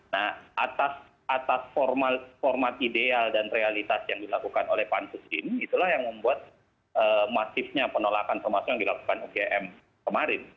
nah atas format ideal dan realitas yang dilakukan oleh pansus ini itulah yang membuat masifnya penolakan termasuk yang dilakukan ugm kemarin